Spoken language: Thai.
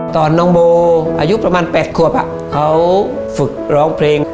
ตอนน้องโบอายุประมาณ๘ขวบเขาฝึกร้องเพลง